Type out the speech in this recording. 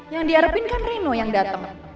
yang diharapin kan reno yang dateng